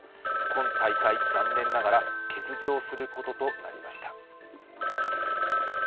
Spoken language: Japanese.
今大会、残念ながら欠場することとなりました。